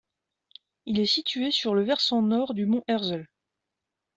Il est situé sur le versant nord du mont Herzl.